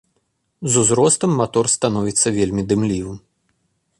З узростам матор становіцца вельмі дымлівым.